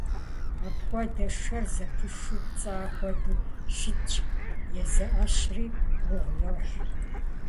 Апхуэдэ шэр зэпышу, пцӀа хуэдэу щытщ, езы Ӏэщри гугъу йохь.